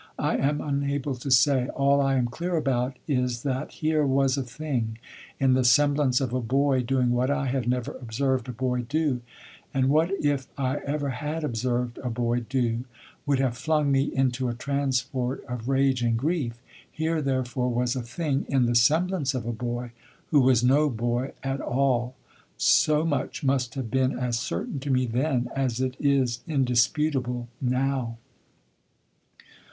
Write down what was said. I am unable to say: all I am clear about is that here was a thing in the semblance of a boy doing what I had never observed a boy do, and what if I ever had observed a boy do, would have flung me into a transport of rage and grief. Here, therefore, was a thing in the semblance of a boy who was no boy at all. So much must have been as certain to me then as it is indisputable now.